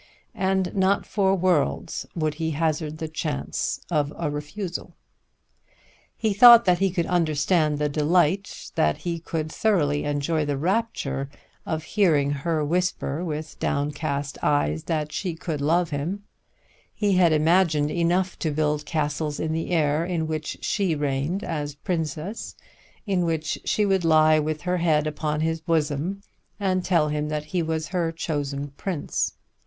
And not for worlds would he hazard the chance of a refusal. He thought that he could understand the delight, that he could thoroughly enjoy the rapture, of hearing her whisper with downcast eyes, that she could love him. He had imagination enough to build castles in the air in which she reigned as princess, in which she would lie with her head upon his bosom and tell him that he was her chosen prince.